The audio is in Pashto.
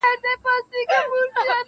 ځکه ډلي جوړوي د شریکانو؛